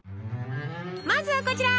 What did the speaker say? まずはこちら！